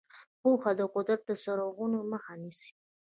پوهه د قدرت د سرغړونې مخه نیسي.